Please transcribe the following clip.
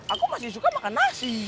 aku masih suka makan nasi